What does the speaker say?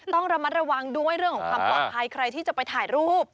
ต้องระมัดระวังด้วยเรื่องของความปลอดภัยใครที่จะไปถ่ายรูป